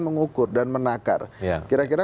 mengukur dan menakar kira kira